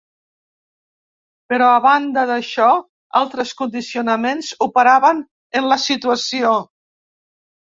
Però, a banda d'això, altres condicionaments operaven en la situació.